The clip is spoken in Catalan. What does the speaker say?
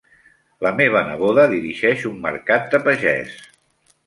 La meva neboda dirigeix un mercat de pagès.